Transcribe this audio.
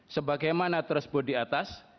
sebagaimana tersebut di atas